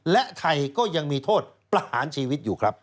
และไทยก็ยังมีโทษประหารชีวิตอยู่ครับ